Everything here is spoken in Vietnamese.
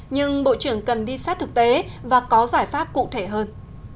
nhưng bộ trưởng cần đi sát thực tế và có giải pháp cụ thể hơn